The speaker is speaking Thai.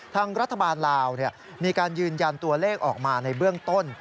ทางรัฐบาลลาวมีการยืนยันตัวเลขออกมาในเบื้องต้น